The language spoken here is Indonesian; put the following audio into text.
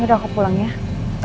udah aku pulang ya